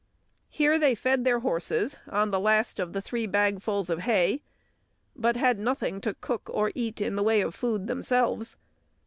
Here they fed their horses on the last of the three bagfuls of hay, but had nothing to cook or eat in the way of food themselves.